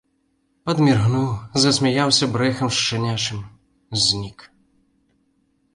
Падміргнуў, засмяяўся брэхам шчанячым, знік.